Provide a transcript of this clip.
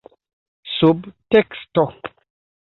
subteksto